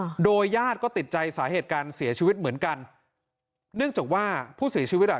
อืมโดยญาติก็ติดใจสาเหตุการเสียชีวิตเหมือนกันเนื่องจากว่าผู้เสียชีวิตอ่ะ